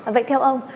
vậy theo ông